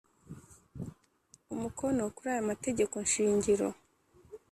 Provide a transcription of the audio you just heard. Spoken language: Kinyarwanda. umukono kuri aya mategeko shingiro